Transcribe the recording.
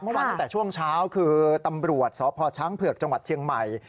เมื่อวานตั้งแต่ช่วงเช้าคือตำรวจสชเผือกจังหวัดเชียงใหม่